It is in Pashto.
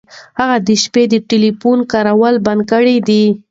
هغه د شپې د ټیلیفون کارول بند کړي دي.